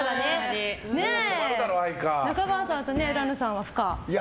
中川さんと浦野さんは不可。